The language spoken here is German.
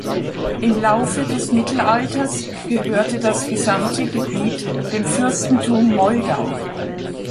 Im Laufe des Mittelalters gehörte das gesamte Gebiet dem Fürstentum Moldau.